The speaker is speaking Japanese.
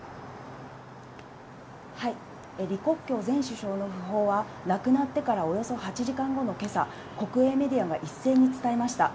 李克強前首相の訃報は、亡くなってからおよそ８時間後のけさ、国営メディアが一斉に伝えました。